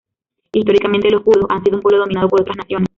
Históricamente, los kurdos han sido un pueblo dominado por otras naciones.